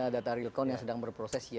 data real count yang sedang berproses